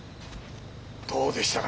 「どうでしたか」